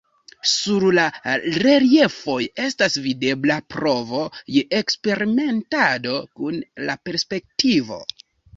Sur la reliefoj estas videbla provo je eksperimentado kun la perspektivo.